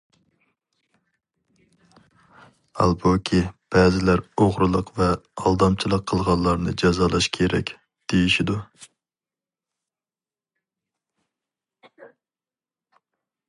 ھالبۇكى، بەزىلەر ئوغرىلىق ۋە ئالدامچىلىق قىلغانلارنى جازالاش كېرەك، دېيىشىدۇ.